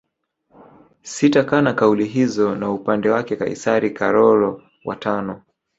Sitakana kauli hizo na Upande wake Kaisari Karolo wa tano